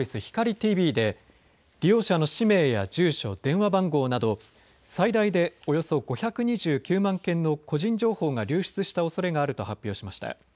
ＴＶで利用者の氏名や住所、電話番号など最大でおよそ５２９万件の個人情報が流出したおそれがあると発表しました。